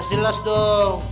yang jelas dua dong